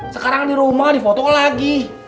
sekarang di rumah di foto lagi